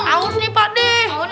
awas nih pak de